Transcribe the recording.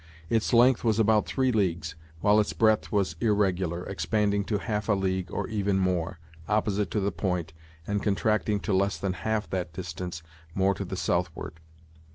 Its length was about three leagues, while its breadth was irregular, expanding to half a league, or even more, opposite to the point, and contracting to less than half that distance, more to the southward.